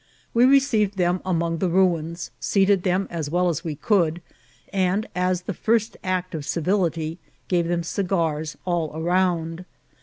We received them among the ruins, seated them as well as we could, and, as the first act of civility, gave them cigars all around.